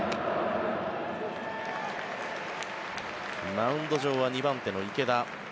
マウンド上は２番手の池田。